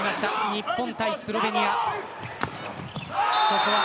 日本対スロベニア。